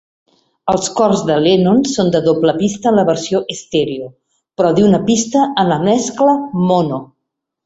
Els cors de Lennon són de doble pista en la versió estèreo, però d'una pista en la mescla mono.